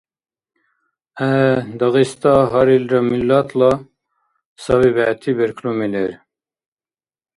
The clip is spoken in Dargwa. ГӀе, Дагъиста гьарилра миллатла саби бегӀти берклуми лер.